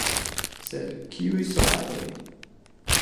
Sed kiuj soldatoj?